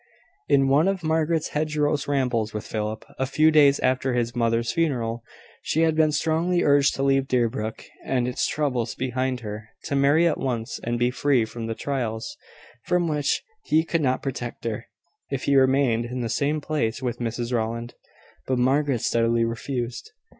In one of Margaret's hedgerow rambles with Philip, a few days after his mother's funeral, she had been strongly urged to leave Deerbrook and its troubles behind her to marry at once, and be free from the trials from which he could not protect her, if she remained in the same place with Mrs Rowland. But Margaret steadily refused.